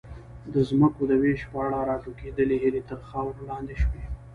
د ځمکو د وېش په اړه راټوکېدلې هیلې تر خاورې لاندې شوې.